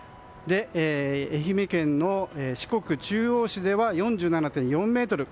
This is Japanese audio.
愛媛県の四国中央市では４７．４メートル。